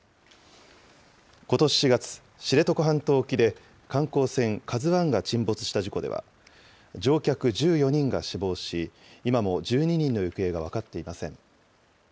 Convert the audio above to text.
ことし４月、知床半島沖で観光船ＫＡＺＵＩが沈没した事故では、乗客１４人が死亡し、今も１２人の行方が分かっていません。